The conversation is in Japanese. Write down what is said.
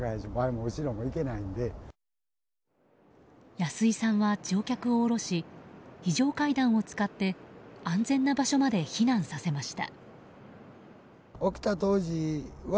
安井さんは乗客を降ろし非常階段を使って安全な場所まで避難させました。